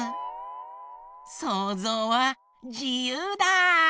そうぞうはじゆうだ。